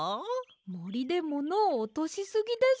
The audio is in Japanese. もりでものをおとしすぎです。